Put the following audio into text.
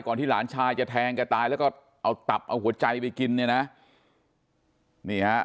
ที่หลานชายจะแทงแกตายแล้วก็เอาตับเอาหัวใจไปกินเนี่ยนะนี่ฮะ